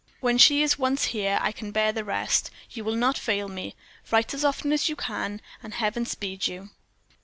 When she is once here I can bear the rest. You will not fail me. Write as often as you can; and Heaven speed you."